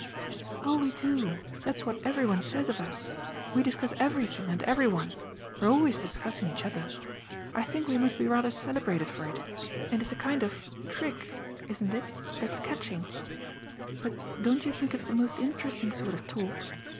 "Oh we do; that's what every one says of us. We discuss everything and every one we're always discussing each other. I think we must be rather celebrated for it, and it's a kind of trick isn't it? that's catching. But don't you think it's the most interesting sort of talk?